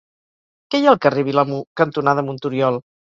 Què hi ha al carrer Vilamur cantonada Monturiol?